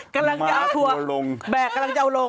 กำลังทัวร์แบกกำลังเจาะลง